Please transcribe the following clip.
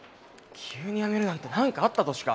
急にやめるなんて何かあったとしか。